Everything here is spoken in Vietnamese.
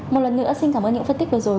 một lần nữa xin cảm ơn những phân tích vừa rồi